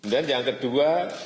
dan yang kedua